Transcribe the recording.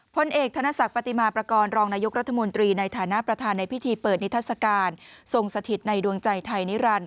พลเอกธนศักดิ์ปฏิมาประกอบรองนายกรัฐมนตรีในฐานะประธานในพิธีเปิดนิทัศกาลทรงสถิตในดวงใจไทยนิรันดิ